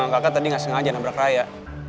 kakak tadi nggak sengaja nabrak raya